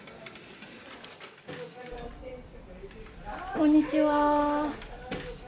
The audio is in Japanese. こんにちは。